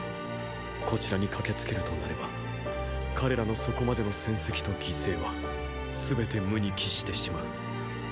こちらに駆けつけるとなれば彼らのそこまでの「戦績」と「犠牲」は全て無に帰してしまう。